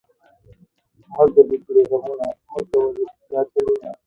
مړ به دې کړي غمونه، مۀ کوه دا چلونه